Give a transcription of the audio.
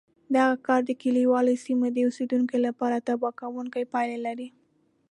دغه کار د کلیوالي سیمو د اوسېدونکو لپاره تباه کوونکې پایلې لرلې